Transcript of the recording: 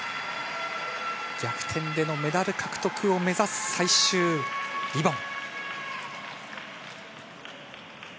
逆転でのメダル獲得を目指す最終リボン。